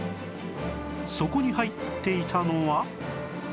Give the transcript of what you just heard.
そこに入っていたのは